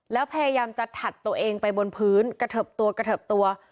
แล้วพยายามจะถัดตัวเองไปบนพื้นกระเทิบตัวกระเทิบตัว